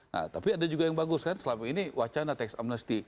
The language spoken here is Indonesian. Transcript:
nah tapi ada juga yang bagus kan selama ini wacana tax amnesty